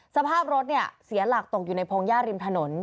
สภาพรถเนี่ยเสียหลักตกอยู่ในพงหญ้าริมถนน